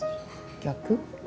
逆？